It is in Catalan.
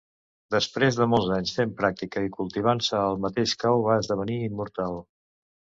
Després de molts anys fent pràctica i cultivant-se, el mateix Cao va esdevenir immortal.